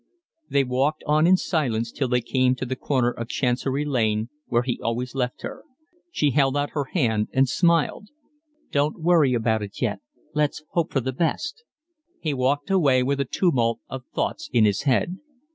They walked on in silence till they came to the corner of Chancery Lane, where he always left her. She held out her hand and smiled. "Don't worry about it yet. Let's hope for the best." He walked away with a tumult of thoughts in his head.